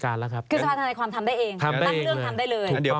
มาตั้งเรื่องทำได้เลย